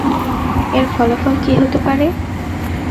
এর ফলাফল কি হতে পারে?